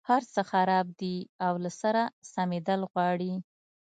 هرڅه خراب دي او له سره سمېدل غواړي.